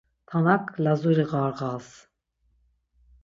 Tanak Lazuri ğarğals.